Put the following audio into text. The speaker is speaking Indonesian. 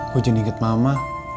gue jadi inget mama